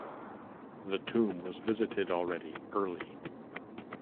The tomb was visited already early.